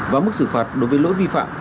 và mức xử phạt đối với lỗi vi phạm